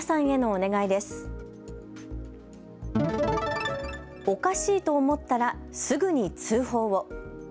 おかしいと思ったらすぐに通報を。